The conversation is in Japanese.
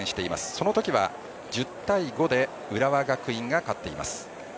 その時は１０対５で浦和学院が勝っています。